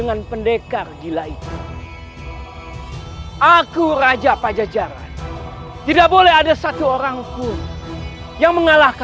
hai sebaiknya aku kembali ke istana pajajaran untuk bersemedi dan memulihkan kekuatanku